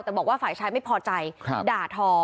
แต่บอกว่าฝ่ายชายไม่พอใจด่าทอ